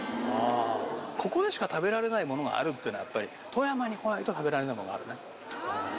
ここでしか食べられないものがあるっていうのはやっぱり富山に来ないと食べられないものがあるね。